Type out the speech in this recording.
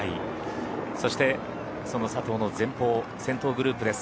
そして、その佐藤の前方先頭グループです。